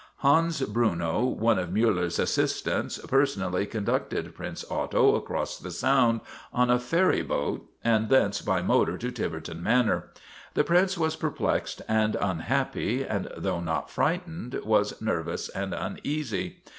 Hans Bruno, one of Miiller's assistants, person ally conducted Prince Otto across the Sound on a ferry boat and thence by motor to Tiverton Manor. The Prince was perplexed and unhappy, and though not frightened was nervous and uneasy.